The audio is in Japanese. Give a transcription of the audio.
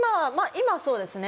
今はそうですね